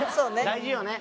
大事よね。